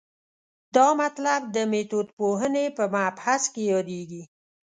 دا مطلب د میتودپوهنې په مبحث کې یادېږي.